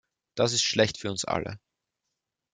Das ist schlecht für uns alle.